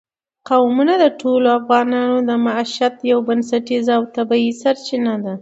قومونه د ټولو افغانانو د معیشت یوه بنسټیزه او طبیعي سرچینه ده.